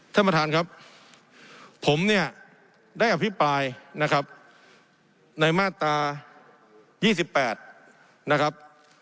ท่านประธานครับผมเนี่ยได้อภิปรายนะครับในมาตรา๒๘นะครับ